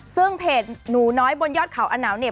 ซึ่งเพจหนูน้อยบนยอดเขาอนาวเนี่ย